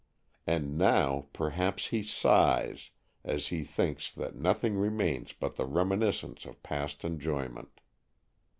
And now perhaps he sighs as he thinks that nothing remains but the reminiscence of past enjoyment.